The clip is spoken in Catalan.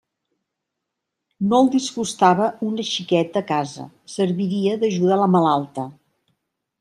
No el disgustava una xiqueta a casa; serviria d'ajuda a la malalta.